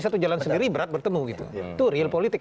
satu jalan sendiri berat bertemu gitu itu real politik